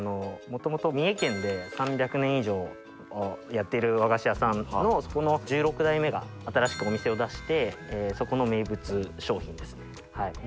もともと三重県で３００年以上やっている和菓子屋さんのそこの１６代目が新しくお店を出してそこの名物商品ですね